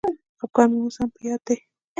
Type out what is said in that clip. خپګان مي اوس هم په یاد دی.